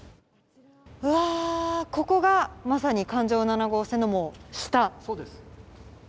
うわー、ここが、まさに環状７号線の、もう下？